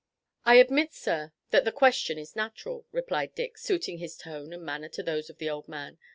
"I admit, sir, that the question is natural," replied Dick, suiting his tone and manner to those of the old man.